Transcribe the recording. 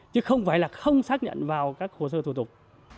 chứ không phải là không xác nhận vào các hồ sơ thủ tục